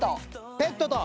ペットと。